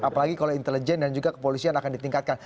apalagi kalau intelijen dan juga kepolisian akan ditingkatkan